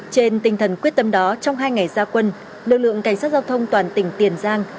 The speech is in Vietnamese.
trên tinh thần quyết tâm đó trong hai ngày gia quân lực lượng cảnh sát giao thông toàn tỉnh tiền giang